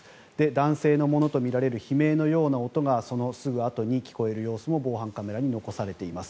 男性のものとみられる悲鳴のような音がそのすぐあとに聞こえる様子も防犯カメラに残されています。